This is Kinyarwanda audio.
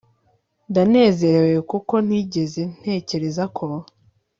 Ndanezerewe kuko ntigeze ntekereza ko